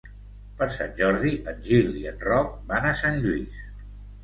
Per Sant Jordi en Gil i en Roc van a Sant Lluís.